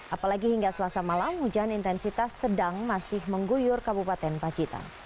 apalagi hingga selasa malam hujan intensitas sedang masih mengguyur kabupaten pacitan